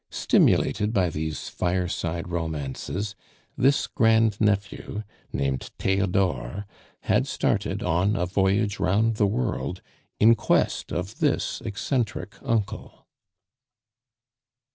Stimulated by these fireside romances, this grand nephew, named Theodore, had started on a voyage round the world in quest of this eccentric uncle.